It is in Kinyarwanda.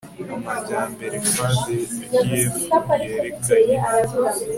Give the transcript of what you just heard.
Amajyambere FAD ADF yerekeranye